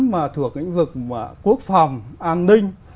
mà thuộc những vực quốc phòng an ninh